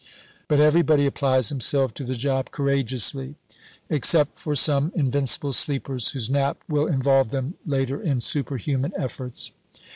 But everybody applies himself to the job courageously, except for some invincible sleepers whose nap will involve them later in superhuman efforts.